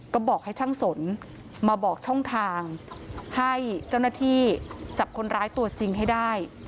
ก็บอกให้ช่างสนมาบอกช่องทางให้เจ้าหน้าที่จับคนร้ายตัวจริงให้ได้